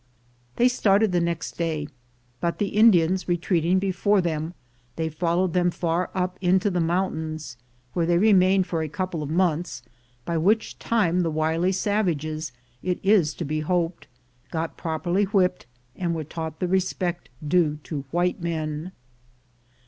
They started the next day, but the Indians retreating before them, they followed them far up into the mountains, where they remained for a couple of months, by which time the wily savages, it is to be hoped, got properly whipped, and were taught the respect due to white men.